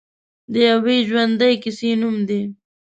د یوې ژوندۍ کیسې نوم دی.